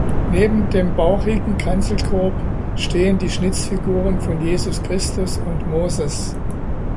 Neben dem bauchigen Kanzelkorb stehen die Schnitzfiguren von Jesus Christus und Moses.